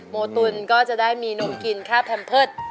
โมตุลก็จะได้มีนมกินแค่แพมเพิร์ต